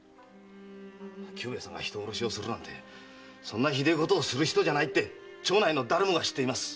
久兵衛さんが人殺しするなんてそんなひでえことをする人じゃないって町内の誰もが知っています。